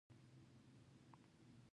مولوي واصف امیر ته خط ولېږه.